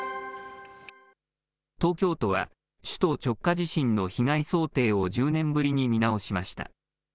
東京都は首都直下地震の被害想定を１０年ぶりに見直しました。